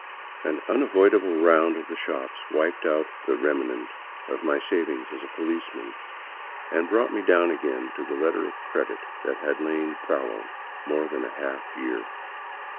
An unavoidable round of the shops wiped out the remnant of my savings as a policeman, and brought me down again to the letter of credit that had lain fallow more than a half year.